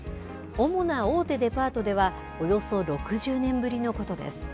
主な大手デパートでは、およそ６０年ぶりのことです。